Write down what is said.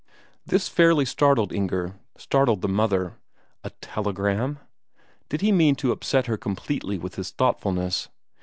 This fairly startled Inger; startled the mother. A telegram? Did he mean to upset her completely with his thoughtfulness?